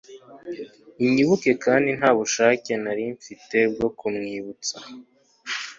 unyibuke kandi nta bushake nari mfite bwo kumwibutsa